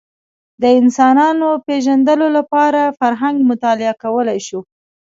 د انسانانو پېژندلو لپاره فرهنګ مطالعه کولی شو